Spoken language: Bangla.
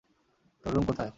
তোর রুম কোথায়?